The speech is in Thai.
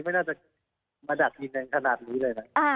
ไม่น่าจะมาดักดินแดงขนาดนี้เลยนะ